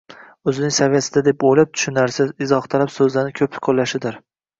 o‘zining saviyasida deb o‘ylab, tushunarsiz, izohtalab so‘zlarni ko‘p qo‘llashidir.